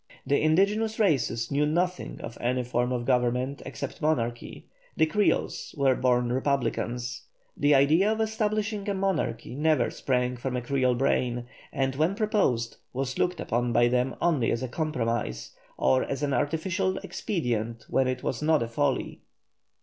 The indigenous races knew nothing of any form of government except monarchy. The Creoles were born republicans. The idea of establishing a monarchy never sprang from a Creole brain, and when proposed was looked upon by them only as a compromise or as an artificial expedient when it was not folly.